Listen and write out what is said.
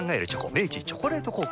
明治「チョコレート効果」